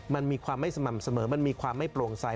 มันมีความไม่สม่ำเสมอมันมีความไม่โปร่งใส